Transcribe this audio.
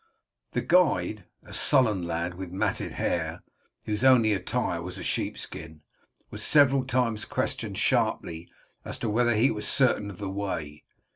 The guide, a sullen lad with matted hair, whose only attire was a sheep skin, was several times questioned sharply as to whether he was certain of the way.